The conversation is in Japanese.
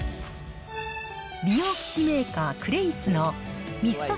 美容機器メーカー、クレイツのミスト